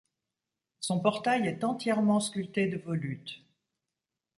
Son portail est entièrement sculpté de volutes.